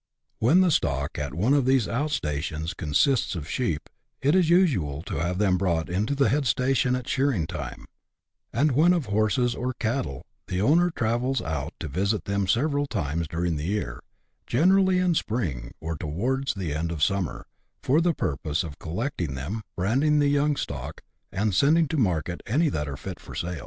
"When the stock at one of these out stations consists of sheep, it is usual to have them brought in to the head station at shearing time ; and when of horses or cattle, the owner travels out to visit them several times during the year, generally in spring, or to wards the end of summer, for the purpose of collecting them, brand ing the young stock, and sending to market any that are fit for sale.